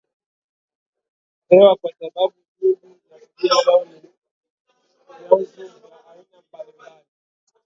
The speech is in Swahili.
hewa kwa sababu nyingi ya shughuli zao ni vyanzo vya aina mbali mbali